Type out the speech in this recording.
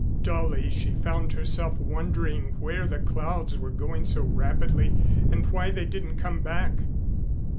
Dully she found herself wondering where the clouds were going so rapidly and why they didn't come back....